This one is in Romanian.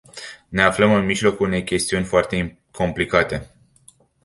Ne aflăm în mijlocul unei chestiuni foarte complicate.